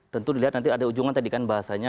tentu dilihat nanti ada ujungan tadi kan bahasanya